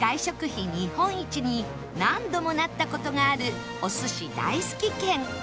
費日本一に何度もなった事があるお寿司大好き県